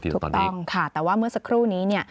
ถือว่าตอนนี้ถูกต้องค่ะแต่ว่าเมื่อสักครู่นี้